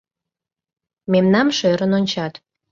Мемнам шӧрын ончат...